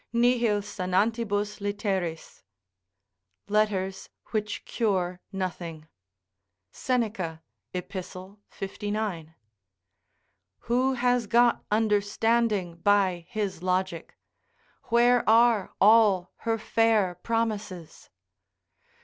"Nihil sanantibus litteris." ["Letters which cure nothing." Seneca, Ep., 59.] Who has got understanding by his logic? Where are all her fair promises?